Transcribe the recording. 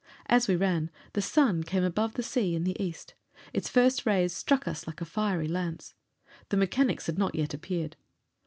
As we ran the sun came above the sea in the east: its first rays struck us like a fiery lance. The mechanics had not yet appeared.